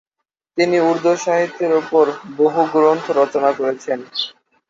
তিনি উর্দু সাহিত্যের উপর বহু গ্রন্থ রচনা করেছেন।